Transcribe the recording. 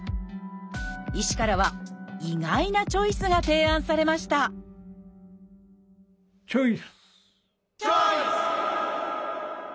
医師からは意外なチョイスが提案されましたチョイス！